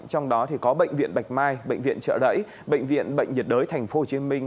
trong đó có bệnh viện bạch mai bệnh viện trợ lẫy bệnh viện bệnh nhiệt đới thành phố hồ chí minh